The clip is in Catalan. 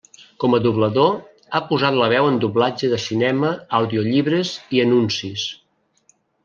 Com a doblador, ha posat la veu en doblatge de cinema, audiollibres i anuncis.